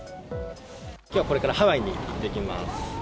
きょうはこれからハワイに行ってきます。